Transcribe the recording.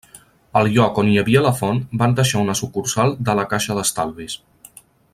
Al lloc on hi havia la font, van deixar una sucursal de La Caixa d'Estalvis.